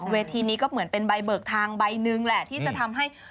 เวทีนี้ก็เหมือนเป็นใบเบิกทางใบหนึ่งแหละที่จะทำให้